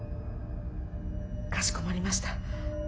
かしこまりました。